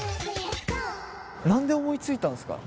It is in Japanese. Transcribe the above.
何で思いついたんですか？